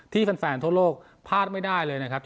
แฟนทั่วโลกพลาดไม่ได้เลยนะครับ